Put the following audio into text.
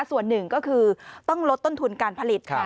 ส่วนหนึ่งก็คือต้องลดต้นทุนการผลิตค่ะ